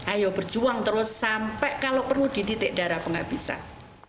ayo berjuang terus sampai kalau perlu di titik darah penghabisan